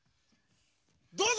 どうぞ！